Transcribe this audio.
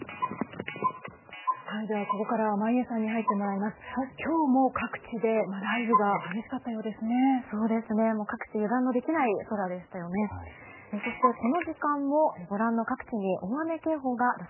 ここからは眞家さんに入ってもらいます。